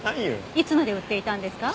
いつまで売っていたんですか？